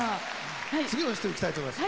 次の人いきたいと思います。